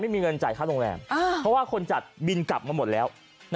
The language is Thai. ไม่มีเงินจ่ายค่าโรงแรมเพราะว่าคนจัดบินกลับมาหมดแล้ว